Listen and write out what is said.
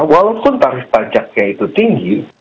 walaupun tarif pajaknya itu tinggi